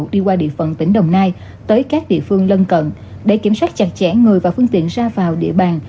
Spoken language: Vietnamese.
đi qua địa phận tỉnh đồng nai tới các địa phương lân cận để kiểm soát chặt chẽ người và phương tiện ra vào địa bàn